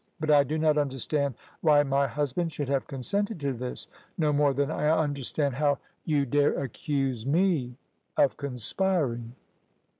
But I do not understand why my husband should have consented to this, no more than I understand how you dare accuse me of conspiring."